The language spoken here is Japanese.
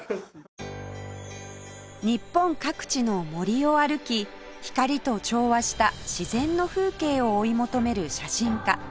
日本各地の森を歩き光と調和した自然の風景を追い求める写真家瀬尾拓